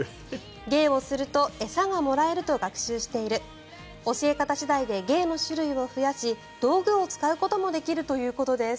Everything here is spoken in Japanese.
芸をすると餌がもらえると学習している教え方次第で芸の種類を増やし道具を使うこともできるということです。